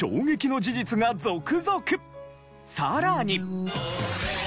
さらに。